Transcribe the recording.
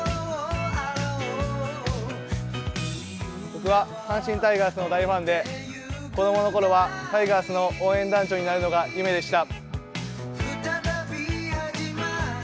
僕は阪神タイガースの大ファンで子供のころはタイガースの応援団長になるのが夢でした。